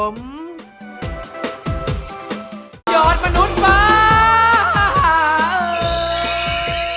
หยอดมนุษย์ว้าว